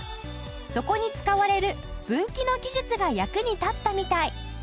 そこに使われる分岐の技術が役に立ったみたい。